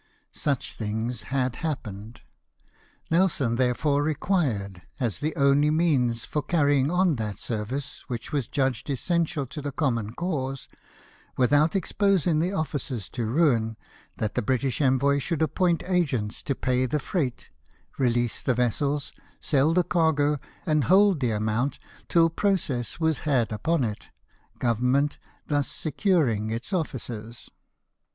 Such things had happened. Nelson therefore required, as the only means for carrying on that service which was judged essential to the common cause, without expos ing the officers to ruin, that the British envoy should appoint agents to pay the freight, release the vessels, sell the cargo, and hold the amount till process was had upon it. Government thus securing its officers.